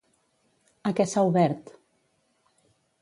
A què s'ha obert?